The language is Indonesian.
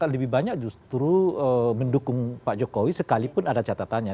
lebih banyak justru mendukung pak jokowi sekalipun ada catatannya